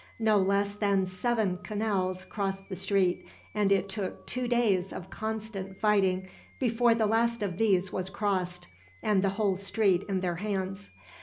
No less than seven canals crossed the street, and it took two days of constant fighting before the last of these was crossed, and the whole street in their hands.